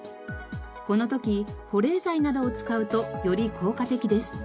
この時保冷剤などを使うとより効果的です。